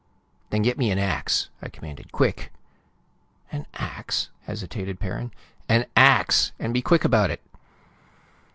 "Then get me an ax!" I commanded. "Quick!" "An ax?" hesitated Perrin. "An ax and be quick about it!"